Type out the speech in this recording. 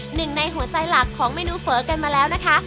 หนึ่งในหัวใจหลักของเมนูเฝอกันมาแล้วนะคะ